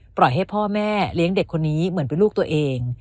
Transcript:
ปล่อยให้พ่อแม่เลี้ยงเด็กคนนี้เหมือนเป็นลูกตัวเอง